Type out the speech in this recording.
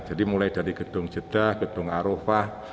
jadi mulai dari gedung jedah gedung arofah